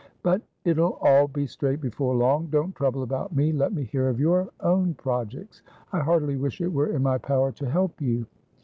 But it'll all be straight before long. Don't trouble about me; let me hear of your own projects. I heartily wish it were in my power to help you."